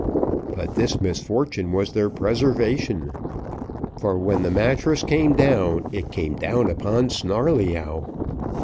But this misfortune was their preservation for when the mattress came down, it came down upon Snarleyyow.